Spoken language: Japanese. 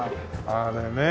あれね。